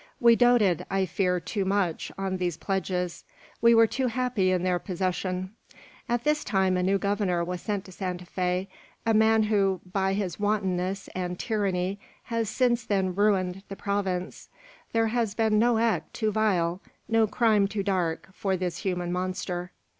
We doted, I fear, too much on these pledges. We were too happy in their possession. "At this time a new Governor was sent to Santa Fe, a man who, by his wantonness and tyranny, has since then ruined the province. There has been no act too vile, no crime too dark, for this human monster.